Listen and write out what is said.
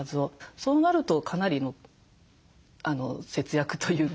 そうなるとかなりの節約というか。